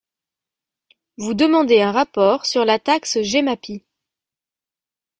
Vous demandez un rapport sur la taxe GEMAPI.